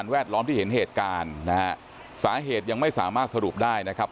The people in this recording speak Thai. ล้อมที่เห็นเหตุการณ์นะฮะสาเหตุยังไม่สามารถสรุปได้นะครับ